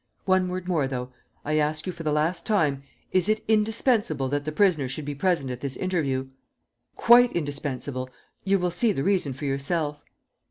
One word more, though: I ask you for the last time, is it indispensable that the prisoner should be present at this interview?" "Quite indispensable. You will see the reason for yourself."